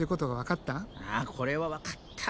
あこれは分かった。